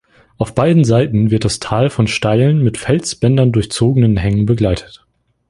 Auf beiden Seiten wird das Tal von steilen, mit Felsbändern durchzogenen Hängen begleitet.